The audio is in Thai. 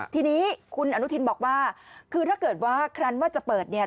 ทีนี้คุณอนุทินบอกว่าคือถ้าเกิดว่าครันว่าจะเปิดเนี่ย